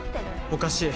おかしい